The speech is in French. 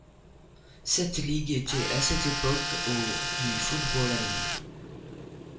Cette ligue était à cette époque au du football allemand.